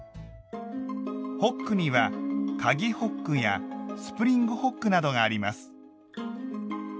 「ホック」には「かぎホック」や「スプリングホック」などがあります。